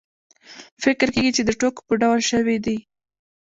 فکر کېږي چې د ټوکو په ډول شوې دي.